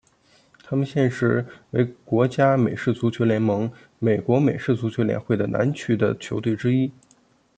他们现时为国家美式足球联盟美国美式足球联会的南区的球队之一。